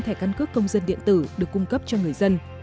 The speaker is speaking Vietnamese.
thẻ căn cước công dân điện tử được cung cấp cho người dân